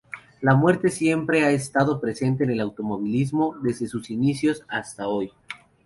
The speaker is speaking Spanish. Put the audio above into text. La muerte siempre ha estado presente en el automovilismo desde sus inicios hasta hoy.